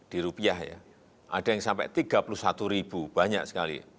di rupiah ya ada yang sampai tiga puluh satu ribu banyak sekali